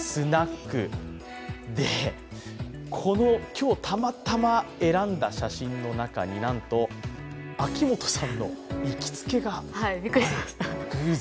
今日、たまたま選んだ写真の中になんと、秋元さんの行きつけが、偶然。